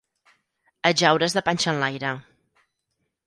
Ajeure's de panxa enlaire.